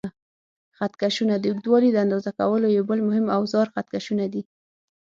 خط کشونه: د اوږدوالي د اندازه کولو یو بل مهم اوزار خط کشونه دي.